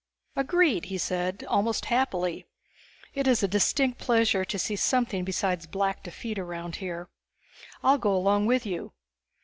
"Agreed," he said, almost happily. "It is a distinct pleasure to see something beside black defeat around here. I'll go along with you."